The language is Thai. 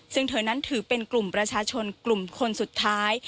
ซึ่งเธอนั้นถือเป็นกลุ่มประชาชนกลุ่มคนสุดท้าย